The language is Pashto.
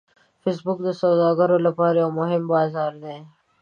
فېسبوک د سوداګرو لپاره یو مهم بازار دی